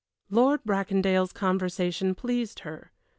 Lord Bracondale's conversation pleased her.